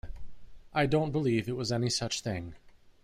I don’t believe it was any such thing.